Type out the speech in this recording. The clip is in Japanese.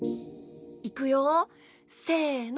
いくよせの！